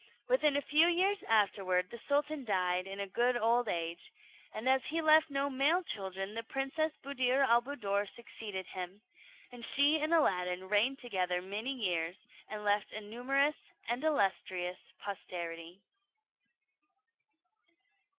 Within a few years afterward, the sultan died in a good old age, and as he left no male children, the Princess Buddir al Buddoor succeeded him, and she and Aladdin reigned together many years, and left a numerous and illustrious posterity.